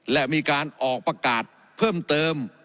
และมีการออกประกาศเพิ่มเติม